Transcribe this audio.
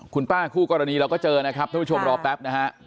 คุณป้าคู่กรณีเราก็เจอนะครับท่านผู้ชมรอแป๊บนะฮะ